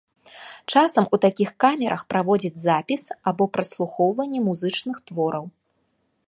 Часам у такіх камерах праводзяць запіс або праслухоўванне музычных твораў.